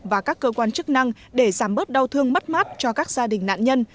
và các cơ quan chức năng để giảm bớt đau thương mất mát cho các gia đình nạn nhân